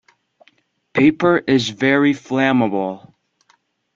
Paper is very flammable.